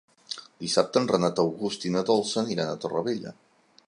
Dissabte en Renat August i na Dolça aniran a Torrevella.